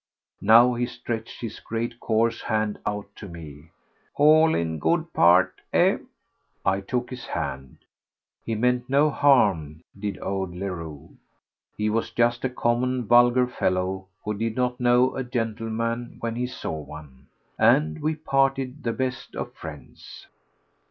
Now he stretched his great coarse hand out to me. "All in good part, eh?" I took his hand. He meant no harm, did old Leroux. He was just a common, vulgar fellow who did not know a gentleman when he saw one. And we parted the best of friends.